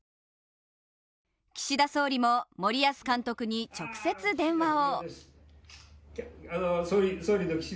岸田総理も、森保監督に直接電話を。